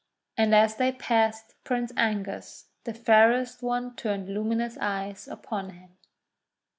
And as they passed Prince Angus, the fairest one turned luminous eyes upon him.